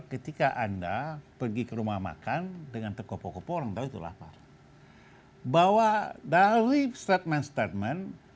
ketika anda pergi ke rumah makan dengan terkopo kopo orang tapi itu lapar bahwa dari statement statement